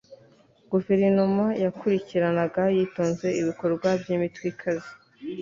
guverinoma yakurikiranaga yitonze ibikorwa by'imitwe ikaze